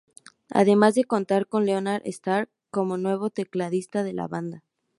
Además de contar con Leonard Stark como nuevo tecladista de la banda.